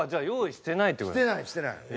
してないしてない。